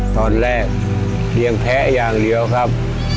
ตอนแรกเพียงแพ้อย่างเดียวครับ